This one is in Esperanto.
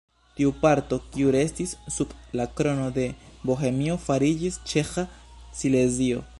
Tiu parto kiu restis sub la Krono de Bohemio fariĝis Ĉeĥa Silezio.